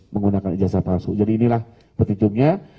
menggunakan ijazah palsu jadi inilah peticumnya